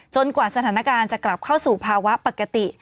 กว่าสถานการณ์จะกลับเข้าสู่ภาวะปกติ